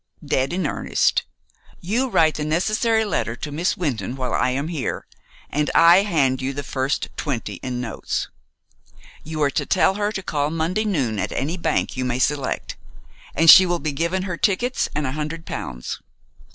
"Dead in earnest. You write the necessary letter to Miss Wynton while I am here, and I hand you the first twenty in notes. You are to tell her to call Monday noon at any bank you may select, and she will be given her tickets and a hundred pounds.